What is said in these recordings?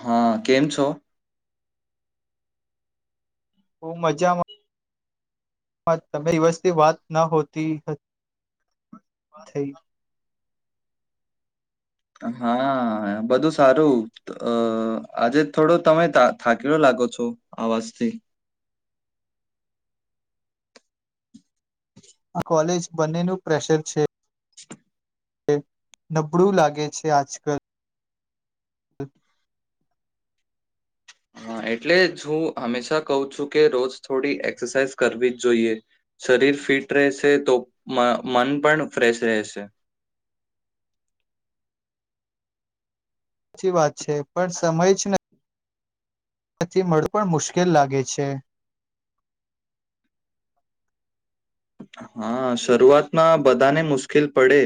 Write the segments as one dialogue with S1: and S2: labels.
S1: હા કેમ છો
S2: હુ મજામાં હા તમેાઈ દિવસ્તી વાત ના હોતી થઈ.
S1: હા બધું સારું આજે થોડો તમે થાકેલો લાગો છો આવાજથી.
S2: બંને નુ પ્રેશર છે. નબળું લાગે છે આજ કલ
S1: હા એટલે જ હું હંમેશા કહું છું કે રોજ થોડી એક્સરસાઇઝ કરવી જ જોઈએ શરીર ફિટ રહેશે તો મન પણ ફ્રેશ રહેશે.
S2: સાચી વાત છે પણ સમય જ નહી તેથી મળ પણણ મુશ્કેલ લાગે છે.
S1: હા શરૂઆતમાં બધાને મુશ્કેલ પડે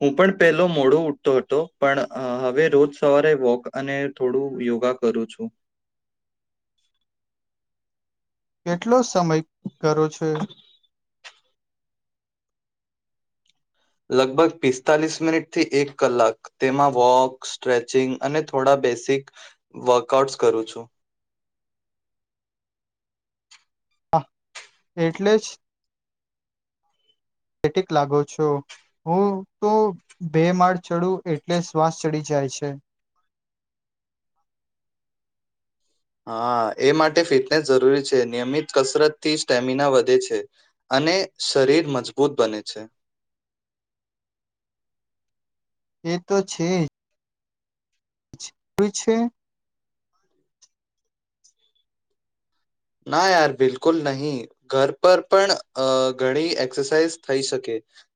S1: હું પણ પહેલો મોડો ઉઠતો હતો પણ હવે રોજ સવારે વોક અને થોડું યોગા કરું છું.
S2: કેટલો સમય કરો છે.
S1: લગભગ પિસ્તાલીસ મિનિટ થી એક કલાક તેમાં વોક સ્ટ્રેચિંગ અને થોડા બેસિક વર્કઆઉટસ કરું છું.
S2: હા એટલે જ પટક લાગો છો હું તો બે માળ ચડું એટલે શ્વાસ ચડી જાય છે.
S1: હા એ માટે ફિટનેસ જરૂરી છે નિયમિત કસરતથી સ્ટેમિના વધે છે, અને શરીર મજબૂત બને છે.
S2: એ તો છે. [unintelligible] છે.
S1: ના યાર બિલકુલ નહીિ ઘર પર પણ ઘણી એક્સરસાઇઝ થઈ શકે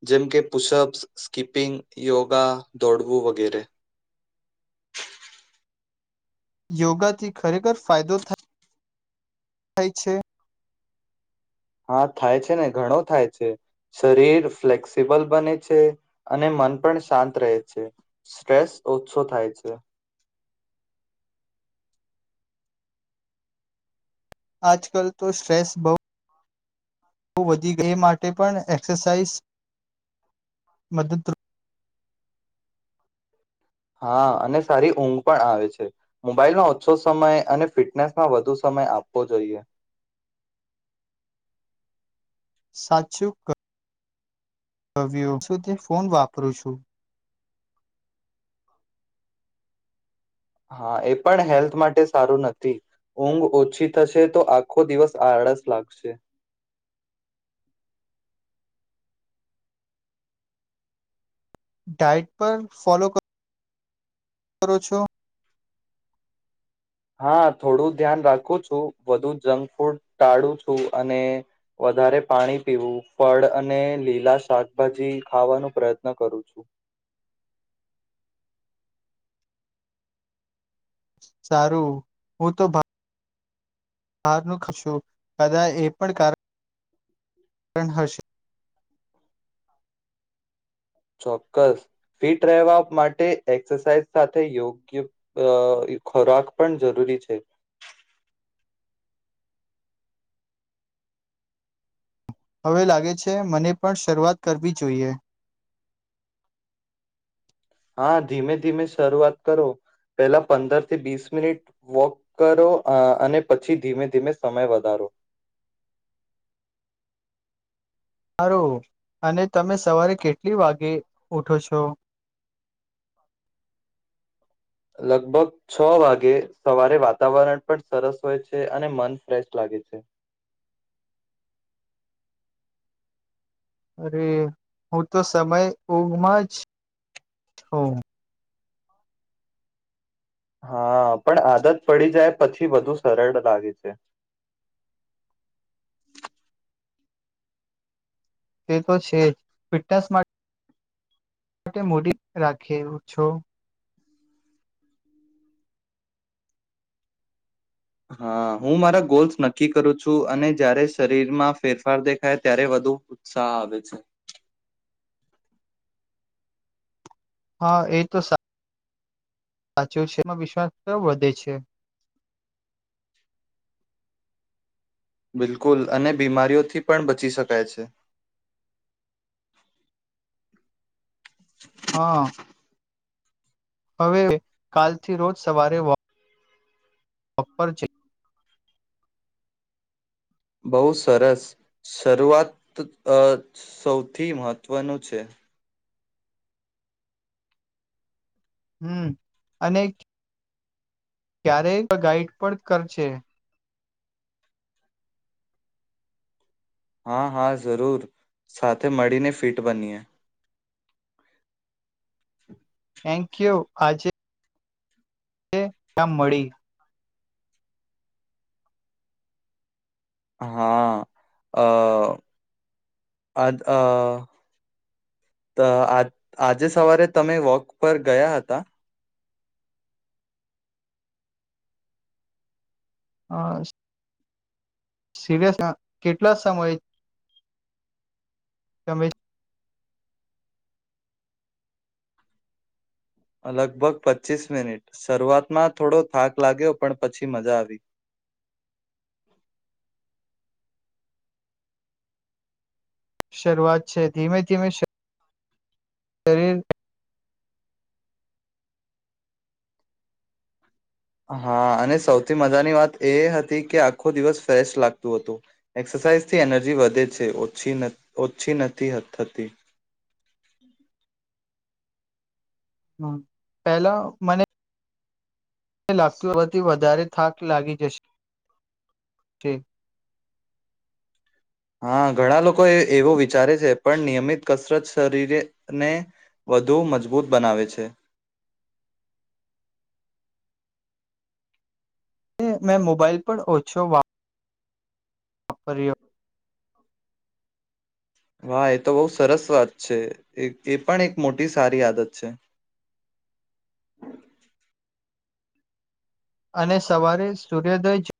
S1: જેમ કે પુશઅપ્સ સ્કીપિંગ યોગા દોડવું વગેરે
S2: યોગાથી ખરેખર ફાયદો થાય. થાય છે.
S1: હા થાય છે ને ઘણું થાય છે શરીર ફ્લેક્સિબલ બને છે અને મન પણ શાંત રહે છે સ્ટ્રેસ ઓછો થાય છે.
S2: આજકાલ તો સ્ટ્રેસ બહ વધી ગઈ માટે પણ એક્સરસાઇઝ મદદ રૂપ
S1: હા અને સારી ઊંઘ પણ આવે છે મોબાઈલમાં ઓછો સમય અને ફિટનેસમાં વધુ સમય આપવો જોઈએ.
S2: સાચું ક હ શું તે ફોન વાપરું છું.
S1: હા એ પણ હેલ્થ માટે સારું નથી ઊંઘ ઓછી થશે તો આખો દિવસ આળસ લાગશે.
S2: ડાયટ પર ફોલો કરો છો.
S1: હા થોડું ધ્યાન રાખું છું વધુ જંક ફૂડ ટાળું છું, અને વધારે પાણી પીવું ફળ અને લીલા શાકભાજી ખાવાનો પ્રયત્ન કરું છું.
S2: સારું હું તો બારનુંશું કદા એ પણ કાર હશે.
S1: ચોક્કસ ફિટ રહેવા માટે એક્સરસાઇઝ સાથે યોગ્ય ખોરાક પણ જરૂરી છે.
S2: હવે લાગે છે મને પણ શરૂઆત કરવી જોઈએ.
S1: હા ધીમે-ધીમે શરૂઆત કરો પેલા પંદર થી વીસ મિનિટ વોક કરો અને પછી ધીમે-ધીમે સમય વધારો
S2: સારું અને તમે સવારે કેટલી વાગે ઉઠો છો‌.
S1: લગભગ છ વાગે સવારે વાતાવરણ પણ સરસ હોય છે, અને મન ફ્રેશ લાગે છે.
S2: અરે હું તો સમય ઊઘમાં જ છુ.
S1: હા પણ આદત પડી જાય પછી વધુ સરળ લાગે છે.
S2: તે તો છે જ ફિટનેસ માટે મૂડી રાખે છો.
S1: હા હું મારા ગોલ્સ નક્કી કરું છું, અને જ્યારે શરીરમાં ફેરફાર દેખાય ત્યારે વધુ ઉત્સાહ આવે છે.
S2: હા એ તો સાચું છે, એમાં વિશ્વાસ તો વધે છે.
S1: બિલકુલ અને બીમારીઓથી પણ બચી શકાય છે.
S2: હા હવે કાલથી રોજ સવારે વોક વક પર જઈ
S1: બહુ સરસ શરૂઆત સૌથી મહત્વનું છે.
S2: હમ અનેક ક્યારેય ગાાઈડ પણ કર છે.
S1: હા હા જરૂર સાથે મળીને ફિટ બનીએ. [unintelligible]
S2: થેન્ક યુ આજે તે કમ મળી
S1: હા અ આ આ આજે સવારે તમે વોક પર ગયા હતા
S2: હા સીરિયસ કેટલા સમય તમે
S1: લગભગ પચ્ચીસ મિનિટ શરૂઆતમાં થોડો થાક લાગ્યો પણ પછી મજા આવી
S2: શરૂઆત છે ધીમે ધીમે શરીર
S1: હા અને સૌથી મજાની વાત એ હતી કે આખો દિવસ ફ્રેશ લાગતું હતું એક્સરસાઇઝ થી એનર્જી વધે છે ઓછી ઓછી નથી થતી
S2: હમ પેલા મને ને લાગતુંથી વધારે થાક લાગી જશે
S1: હા ઘણા લોકો એવો વિચારે છે પણ નિયમિત કસરત શરીરને વધુ મજબૂત બનાવે છે
S2: મેં મોબાઈલ પર ઓછો વાપ આપપર્યો
S1: વાહ એ તો બહુ સરસ વાત છે એ પણ એક મોટી સારી આદત છે
S2: અને સવારે સૂર્યોદય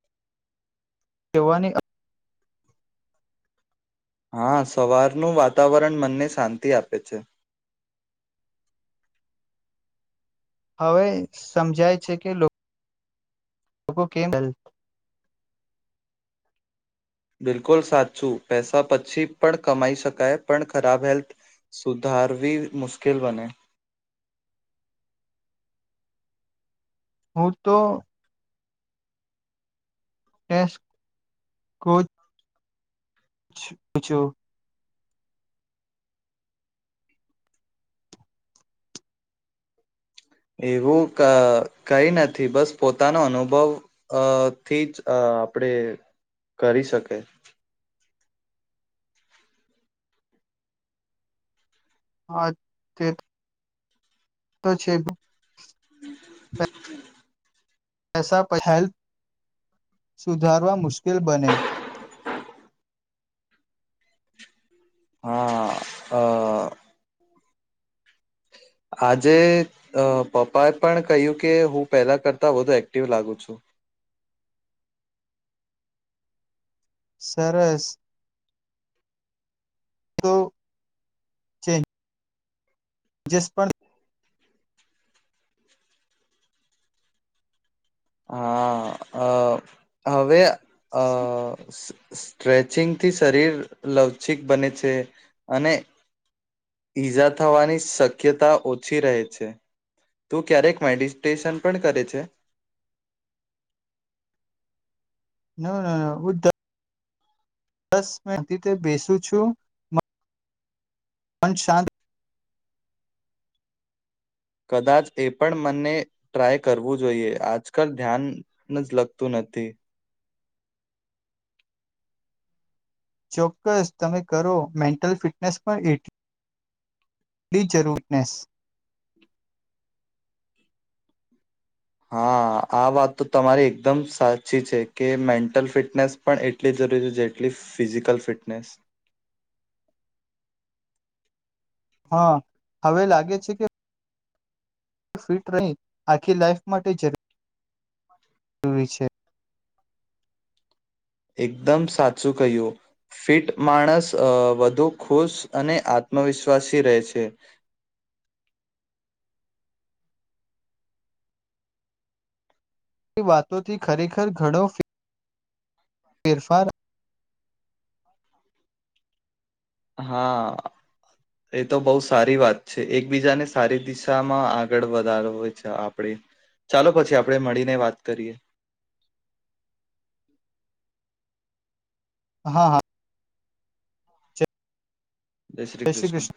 S2: જવાની
S1: હા સવારનું વાતાવરણ મનને શાંતિ આપે છે
S2: હવે સમજાય છે કે લોકો લોકોગ કેલ
S1: બિલકુલ સાચું પૈસા પછી પણ કમાઈ શકાય પણ ખરાબ હેલ્થ સુધારવી મુશ્કેલ બને
S2: હું તો ટેસ્ટ કોચ પૂછું
S1: એવું કઈ નથી બસ પોતાનો અનુભવ અથી જ આપણેે કરી શકી
S2: હા તે તો છે ભ
S1: હમ
S2: પૈસા પ હેલ્પ સુધારવા મુશ્કેલ બને
S1: હા અ આજે પપ્પાએ પણ કહ્યું કે હું પહેલા કરતા વધુ એક્ટિવ લાગુ છું
S2: સરરેસ તો ચ જસ પણ
S1: હા અ હવે અ સ્ટ્રેચિંગથી શરીર લવચિક બને છે અને ઈજા થવાની શક્યતા ઓછી રહે છે તું ક્યારેક મેડિટેશન પણ કરે છે
S2: ના ના હું દસ મિન રીતે બેસું છું મંચ શાંત
S1: કદાચ એ પણ મને ટ્રાય કરવું જોઈએ આજકાલ ધ્યાન જ લગતું નથી
S2: ચોક્કસ તમે કરો મેન્ટલ ફિટનેસ પણ એટલી જરૂરનેસ
S1: હા આ વાત તો તમારી એકદમ સાચી છે કે મેન્ટલ ફિટનેસ પણ એટલી જરૂરી છે જેટલી ફિઝિકલ ફિટનેસ
S2: હા હવે લાગે છે કે ફિટ રહી આખી લાઈફ માટે જરૂર જરૂરી છે
S1: એકદમ સાચું કહ્યું ફિટ માણસ વધુ ખુશ અને આત્મવિશ્વાસી રહે છે
S2: વાતોથી ખરેખર ઘણો ફેરફાર
S1: હા એ તો બહુ સારી વાત છે એકબીજાને સારી દિશામાં આગળ વધારો હોય છે આપણે ચાલો પછી આપણેે મળીને વાત કરીએ
S2: હા હા જય
S1: જય શ્રી કૃષ્ણ